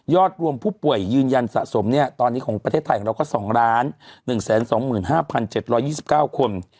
รวมผู้ป่วยยืนยันสะสมตอนนี้ของประเทศไทยของเราก็๒๑๒๕๗๒๙คน